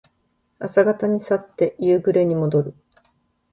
朝方に去って夕暮れにもどる。